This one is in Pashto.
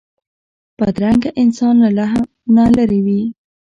بدرنګه انسان له رحم نه لېرې وي